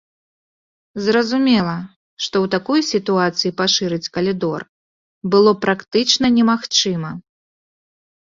Зразумела, што ў такой сітуацыі пашырыць калідор было практычна немагчыма.